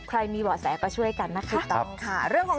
ใครมีหว่าแสก็ช่วยกันน่าคิดต้องค่ะ